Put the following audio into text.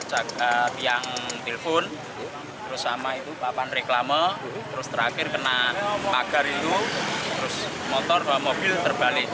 jaga tiang telpon terus sama itu papan reklama terus terakhir kena pagar itu terus motor bawa mobil terbalik